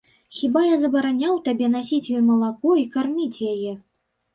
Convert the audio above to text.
Хіба я забараняў табе насіць ёй малако і карміць яе?